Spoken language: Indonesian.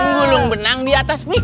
menggulung benang di atas mie